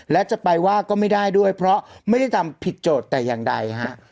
และจะไปว่าก็ไม่ได้ด้วยเพราะไม่ได้ทำผิดโจทย์แต่อย่างใดฮะ